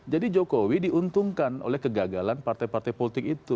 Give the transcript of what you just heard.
jadi jokowi diuntungkan oleh kegagalan partai partai politik itu